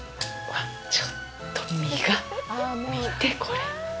ちょっと身が、見て、これ。